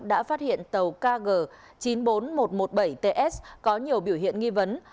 đã phát hiện tàu kg chín mươi bốn nghìn một trăm một mươi bảy ts có nhiều biểu hiện nghi vấn